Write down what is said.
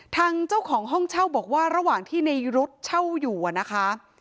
ทางเจ้าของห้องเช่าบอกว่าระหว่างที่ในรถเช่าอยู่นะคะ